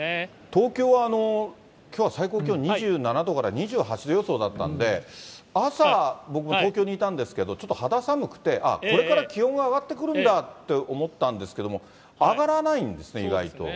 東京はきょうは最高気温２７度から２８度予想だったんで、朝、僕も東京にいたんですけど、ちょっと肌寒くて、あっ、これから気温が上がってくるんだって思ったんですけども、上がらそうですね。